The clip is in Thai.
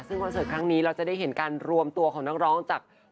ซึ่งคอนเสิร์ตครั้งนี้เราจะได้เห็นการรวมตัวของนักร้องจาก